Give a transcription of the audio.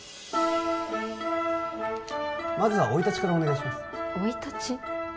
まずは生い立ちからお願いします生い立ち？